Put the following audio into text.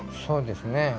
そうですね。